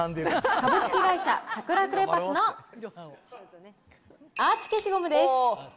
株式会社サクラクレパスのアーチ消しゴムです。